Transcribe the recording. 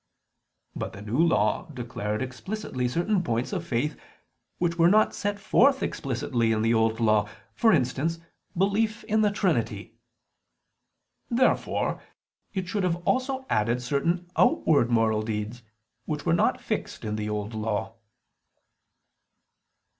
But the New Law declared explicitly certain points of faith which were not set forth explicitly in the Old Law; for instance, belief in the Trinity. Therefore it should also have added certain outward moral deeds, which were not fixed in the Old Law.